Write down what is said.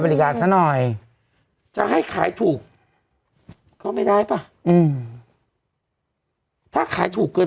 การซะหน่อยจะให้ขายถูกก็ไม่ได้ป่ะอืมถ้าขายถูกเกิน